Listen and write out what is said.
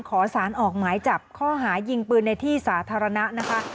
ขอสารออกหมายจับข้อหายิงปืนในที่สาธารณะนะคะ